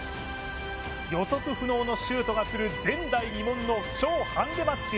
予測不能のシュートがくる前代未聞の超ハンデマッチ。